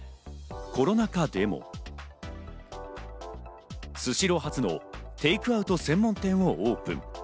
コロナ禍でもスシロー初のテイクアウト専門店をオープン。